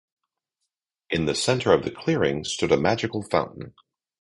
In the center of the clearing stood a magical fountain.